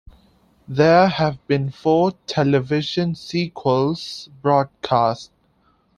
There have been four television sequels broadcast.